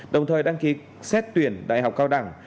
đồng thời đăng ký xét tuyển đại học cao đẳng